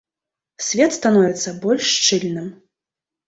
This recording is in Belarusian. Свет становіцца больш шчыльным.